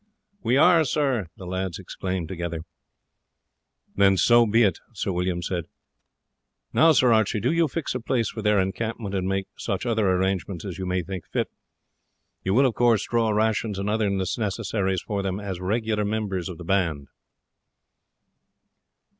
"We are, sir," the lads exclaimed together. "Then so be it," Sir William said. "Now, Sir Archie, do you fix a place for their encampment, and make such other arrangements as you may think fit. You will, of course, draw rations and other necessaries for them as regular members of the band."